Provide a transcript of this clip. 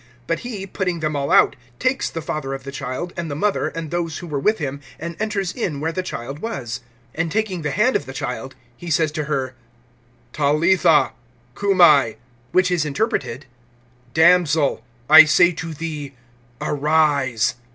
But he, putting them all out, takes the father of the child, and the mother, and those who were with him, and enters in where the child was. (41)And taking the hand of the child, he says to her: Talitha kumi; which is interpreted, Damsel, I say to thee, arise.